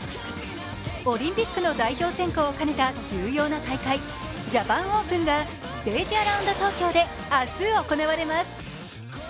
オリンピックの代表選考を兼ねた重要な大会、ジャパンオープンがステージアラウンド東京で明日行われます。